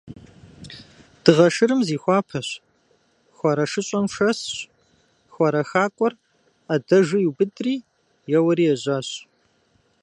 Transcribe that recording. Дыгъэ Шырым зихуапэщ, хуарэ шыщӀэм шэсщ, хуарэ хакӀуэр Ӏэдэжу иубыдри, еуэри ежьащ.